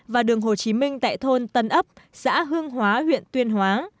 và đường hồ chí minh tại thôn tân ấp xã hương hóa huyện tuyên hóa